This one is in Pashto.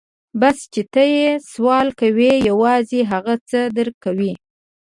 بس چې ته يې سوال کوې يوازې هغه څه در کوي.